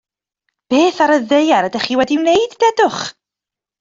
Beth ar y ddaear ydech chi wedi wneud, deudwch?